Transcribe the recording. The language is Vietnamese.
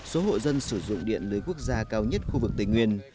số hộ dân sử dụng điện lưới quốc gia cao nhất khu vực tây nguyên